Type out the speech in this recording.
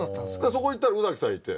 そこ行ったら宇崎さんいて。